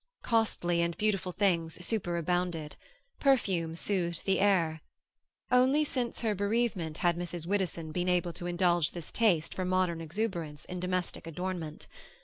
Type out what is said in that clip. Costly and beautiful things superabounded; perfume soothed the air. Only since her bereavement had Mrs. Widdowson been able to indulge this taste for modern exuberance in domestic adornment.